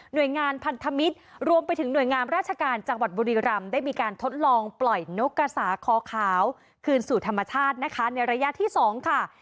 โดยงานพันธมิตรรวมไปถึงหน่วยงามราชการจังหวัดบุรีรำได้มีการทดลองปล่อยนกกระสาคอขาวคืนสู่ธรรมชาตินะคะในระยะที่๒ค่ะ